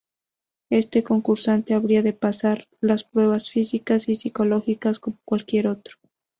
Este concursante habría de pasar las pruebas físicas y psicológicas como cualquier otro.